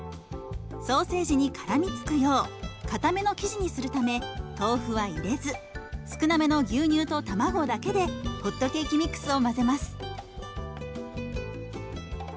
ソーセージにからみつくようかための生地にするため豆腐は入れず少なめの牛乳と卵だけでホットケーキミックスを混ぜます。